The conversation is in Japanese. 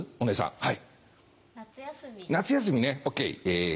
はい。